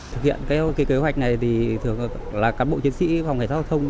thực hiện cái kế hoạch này thì thường là cán bộ chiến sĩ phòng cảnh sát giao thông